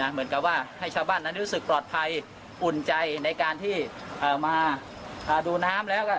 เหมือนกับว่าให้ชาวบ้านนั้นรู้สึกปลอดภัยอุ่นใจในการที่มาดูน้ำแล้วก็